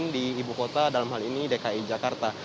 di ibu kota dalam hal ini dki jakarta